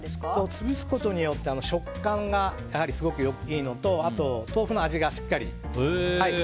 潰すことによってやはり、食感がすごくいいのとあと豆腐の味がしっかり。